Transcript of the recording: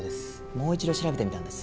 もう一度調べてみたんです。